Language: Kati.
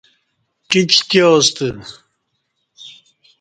ٹیچ تیاستہ